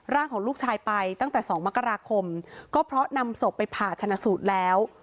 ร่างของลูกชายไปตั้งแต่๒มกราคมก็เพราะนำศพไปผ่าชนะสูตรแล้ว